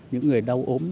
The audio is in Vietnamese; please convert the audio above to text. những người đau ốm